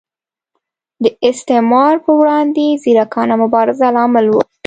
د استعمار پر وړاندې ځیرکانه مبارزه لامل و.